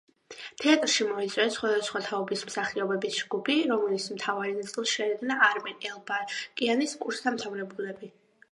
თეატრში მოიწვიეს სხვადასხვა თაობის მსახიობების ჯგუფი, რომლის მთავარი ნაწილს შეადგენდა არმენ ელბაკიანის კურსდამთავრებულები.